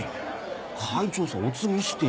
会長さおつぎして。